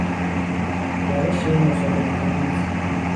روش مسالمتآمیز